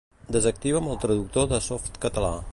Desactiva'm el Traductor de Softcatalà.